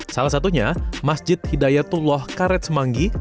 salah satunya masjid hidayatullah karet semanggi